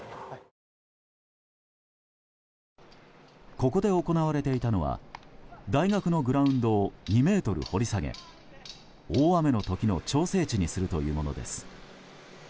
ここで行われていたのは大学のグラウンドを２ｍ掘り下げ大雨の時の調整池にするというものです。